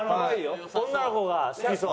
女の子が好きそう。